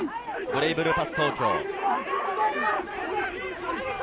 ブレイブルーパス東京。